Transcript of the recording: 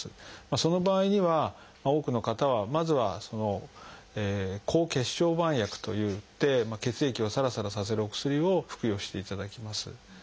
その場合には多くの方はまずは抗血小板薬といって血液をサラサラさせるお薬を服用していただきます。